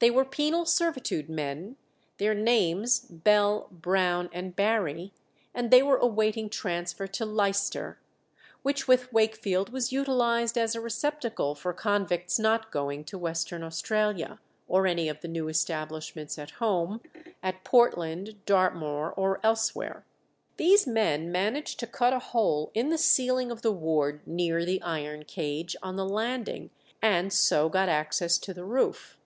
They were penal servitude men, their names Bell, Brown, and Barry, and they were awaiting transfer to Leicester, which with Wakefield was utilized as a receptacle for convicts not going to Western Australia, or any of the new establishments at home, at Portland, Dartmoor, or elsewhere. These men managed to cut a hole in the ceiling of the ward near the iron cage on the landing, and so got access to the roof.